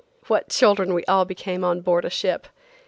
What children we all become on board a ship!